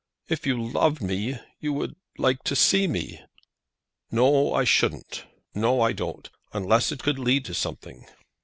"If you loved me, you would like to see me." "No, I shouldn't; no, I don't; unless it could lead to something.